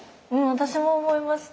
私も思いました。